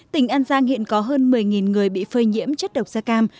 tỉnh an giang hiện có hơn một mươi người bị phơi nhiễm chất độc da cam